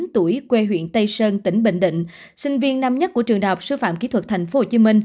một mươi chín tuổi quê huyện tây sơn tỉnh bệnh định sinh viên năm nhất của trường đạo sư phạm kỹ thuật tp hcm